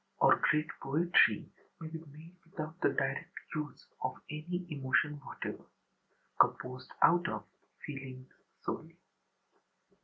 Or great poetry may be made without the direct use of any emotion whatever: composed out of feelings solely.